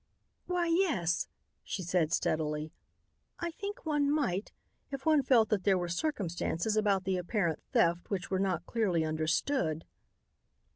"Why, yes," she said steadily, "I think one might, if one felt that there were circumstances about the apparent theft which were not clearly understood.